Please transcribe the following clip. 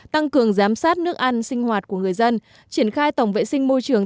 tăng cường giám sát nước ăn sinh hoạt của người dân triển khai tổng vệ sinh môi trường